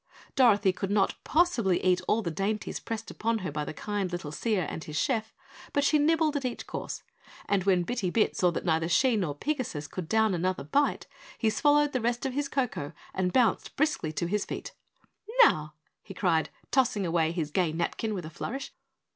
Dorothy could not possibly eat all the dainties pressed upon her by the kind little seer and his chef, but she nibbled at each course, and when Bitty Bit saw that neither she nor Pigasus could down another bite, he swallowed the rest of his cocoa and bounced briskly to his feet. "Now," he cried, tossing away his gay napkin with a flourish.